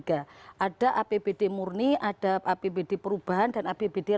ada apbd murni ada apbd perubahan dan apbd